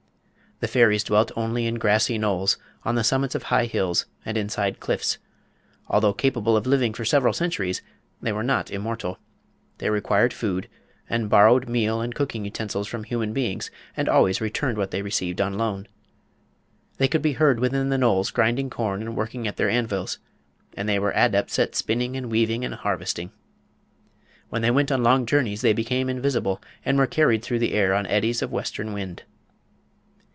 The fairies dwelt only in grassy knolls, on the summits of high hills, and inside cliffs. Although capable of living for several centuries, they were not immortal. They required food, and borrowed meal and cooking utensils from human beings, and always returned what they received on loan. They could be heard within the knolls grinding corn and working at their anvils, and they were adepts at spinning and weaving and harvesting. When they went on long journeys they became invisible, and were carried through the air on eddies of western wind.